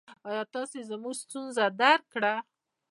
ایا تاسو زما ستونزه درک کړه؟